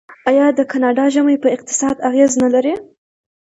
آیا د کاناډا ژمی په اقتصاد اغیز نلري؟